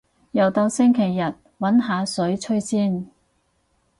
又到星期日，搵下水吹先